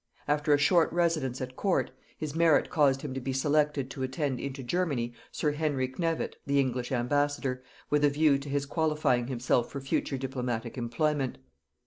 After a short residence at court, his merit caused him to be selected to attend into Germany sir Henry Knevet the English ambassador, with a view to his qualifying himself for future diplomatic employment.